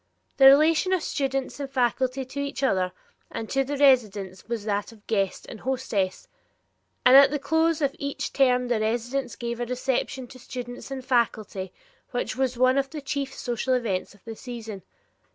The relation of students and faculty to each other and to the residents was that of guest and hostess, and at the close of each term the residents gave a reception to students and faculty which was one of the chief social events of the season.